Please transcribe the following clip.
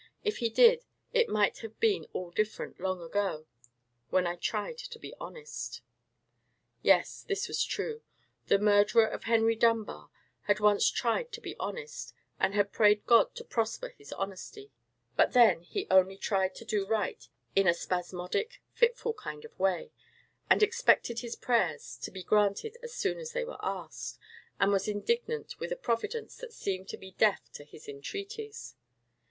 If He did, it might have been all different long ago—when I tried to be honest!" Yes, this was true; the murderer of Henry Dunbar had once tried to be honest, and had prayed God to prosper his honesty; but then he only tried to do right in a spasmodic, fitful kind of way, and expected his prayers to be granted as soon as they were asked, and was indignant with a Providence that seemed to be deaf to his entreaties.